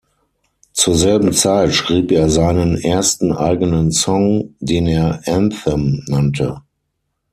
Zur selben Zeit schrieb er seinen ersten eigenen Song, den er "Anthem" nannte.